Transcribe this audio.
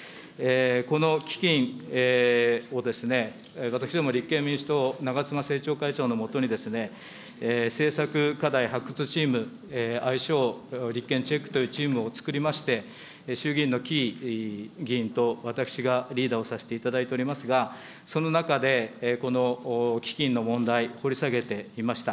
この基金を私ども立憲民主党、長妻政調会長のもとに、政策課題発掘チーム、愛称、立憲チェックというチームを作りまして、衆議院のきい議員と私がリーダーをさせていただいておりますが、その中でこの基金の問題、掘り下げていました。